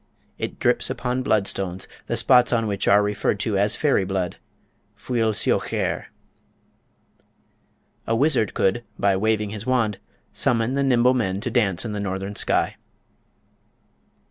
It drips upon blood stones, the spots on which are referred to as fairy blood (fuil siochaire). A wizard could, by waving his wand, summon the "Nimble Men" to dance in the northern sky.